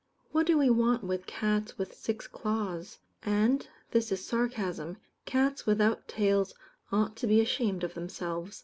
What do we want with cats with six claws? and this is sarcasm cats without tails ought to be ashamed of themselves.